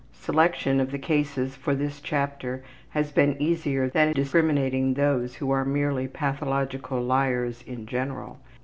Selection of the cases for this chapter has been easier than discriminating those who are merely pathological liars in general.